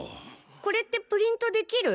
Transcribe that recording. これってプリントできる？